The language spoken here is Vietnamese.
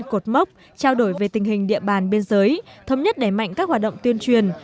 cột mốc trao đổi về tình hình địa bàn biên giới thống nhất đẩy mạnh các hoạt động tuyên truyền